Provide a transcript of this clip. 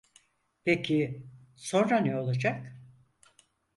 Peki sonra ne olacak?